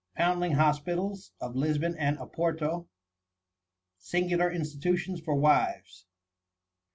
Foundling Hospitals of Lisbon and Oporto. Singular Institutions for Wives.